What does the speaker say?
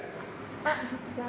あっじゃあ。